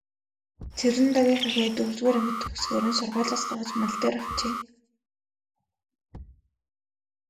Цэрэндагвынх хүүгээ дөрөвдүгээр анги төгсөхөөр нь сургуулиас гаргаж мал дээр авчээ.